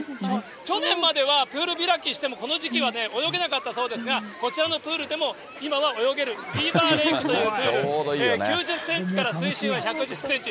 去年まではプール開きしても、この時期は泳げなかったそうですが、こちらのプールでも今は泳げる、９０センチから水深は１１０センチ。